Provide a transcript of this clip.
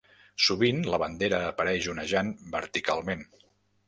Sovint la bandera apareix onejant verticalment.